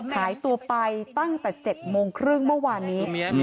หายตัวไปตั้งแต่๗โมงครึ่งเมื่อวานนี้